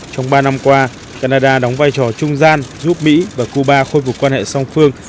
trong ba năm qua canada đóng vai trò trung gian giúp mỹ và cuba khôi phục quan hệ song phương